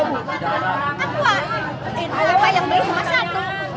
yang beli cuma satu